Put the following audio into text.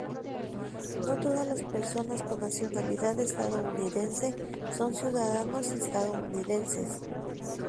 No todas las personas con nacionalidad estadounidense son ciudadanos estadounidenses.